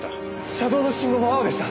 車道の信号は青でした。